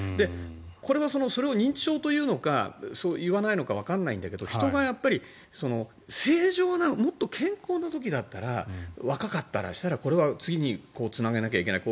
これがそれを認知症というのかいわないのかわからないけど人が正常なもっと健康な時だったら若かったりしたらこれは次につなげなきゃいけないとか。